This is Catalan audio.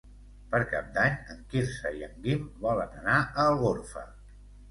Per Cap d'Any en Quirze i en Guim volen anar a Algorfa.